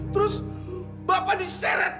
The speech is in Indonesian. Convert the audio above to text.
terus bapak diseret